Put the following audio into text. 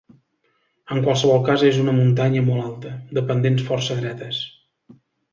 En qualsevol cas és una muntanya molt alta, de pendents força dretes.